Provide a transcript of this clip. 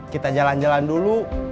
kita jalan jalan dulu